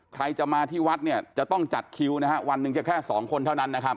ใครจะมาที่วัดเนี่ยจะต้องจัดคิวนะฮะวันหนึ่งจะแค่สองคนเท่านั้นนะครับ